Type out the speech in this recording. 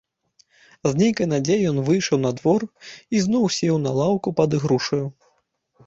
З нейкай надзеяй ён выйшаў на двор і зноў сеў на лаўку пад ігрушаю.